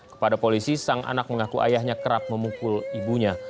kepada polisi sang anak mengaku ayahnya kerap memukul ibunya